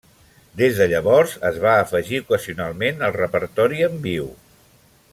Des de llavors es va afegir ocasionalment al repertori en viu.